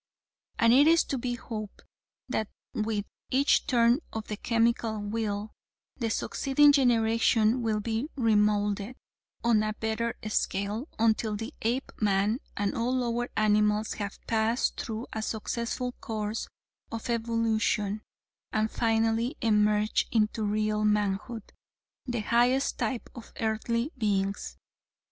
And it is to be hoped that with each turn of the chemical wheel the succeeding generation will be re moulded on a better scale, until the Apeman and all lower animals have passed through a successful course of evolution and finally emerge into real manhood the highest type of earthly beings.